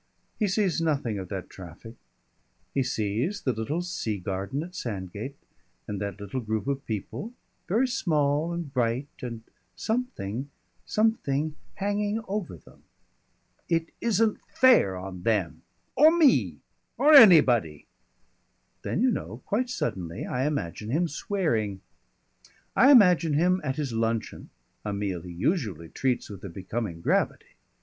He sees nothing of that traffic. He sees the little sea garden at Sandgate and that little group of people very small and bright and something something hanging over them. "It isn't fair on them or me or anybody!" Then you know, quite suddenly, I imagine him swearing. I imagine him at his luncheon, a meal he usually treats with a becoming gravity.